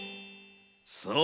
そう！